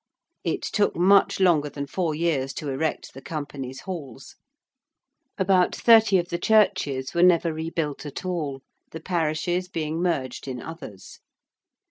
It took much longer than four years to erect the Companies' Halls. About thirty of the churches were never rebuilt at all, the parishes being merged in others.